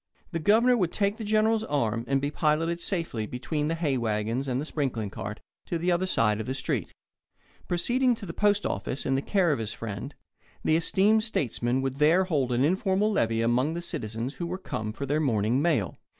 The Governor would take the General's arm and be piloted safely between the hay wagons and the sprinkling cart to the other side of the street. Proceeding to the post office in the care of his friend, the esteemed statesmen would there hold an informal levee among the citizens who were come for their morning mail.